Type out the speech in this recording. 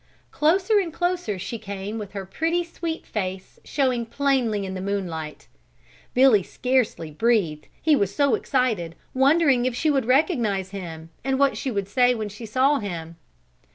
Closer and closer she came with her pretty, sweet face showing plainly in the moonlight. Billy scarcely breathed, he was so excited, wondering if she would recognize him, and what she would say when she saw him.